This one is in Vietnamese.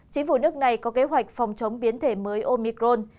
chính phủ nước này có kế hoạch phòng chống biến thể mới omicron